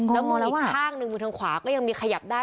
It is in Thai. แล้วมืออีกข้างหนึ่งมือทางขวาก็ยังมีขยับได้